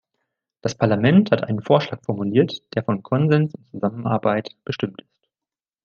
Das Parlament hat einen Vorschlag formuliert, der von Konsens und Zusammenarbeit bestimmt ist.